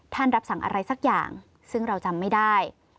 รับสั่งอะไรสักอย่างซึ่งเราจำไม่ได้